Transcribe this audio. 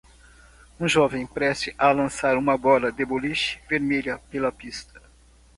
um jovem prestes a lançar uma bola de boliche vermelha pela pista